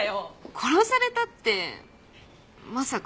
殺されたってまさか所長に？